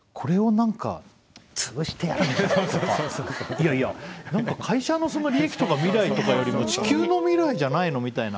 いやいや何か会社の利益とか未来とかよりも地球の未来じゃないの？みたいな。